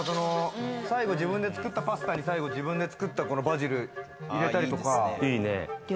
最後、自分で作ったパスタに自分で作ったバジル入れたりとか。